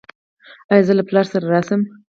ایا زه له پلار سره راشم؟